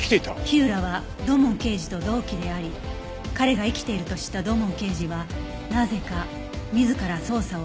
火浦は土門刑事と同期であり彼が生きていると知った土門刑事はなぜか自ら捜査を外れた